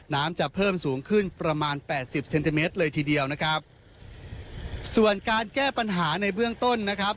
น้ำจะเพิ่มสูงขึ้นประมาณแปดสิบเซนติเมตรเลยทีเดียวนะครับส่วนการแก้ปัญหาในเบื้องต้นนะครับ